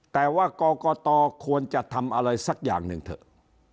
แต่ว่ากรกตควรจะทำอะไรสักอย่างหนึ่งเถอะ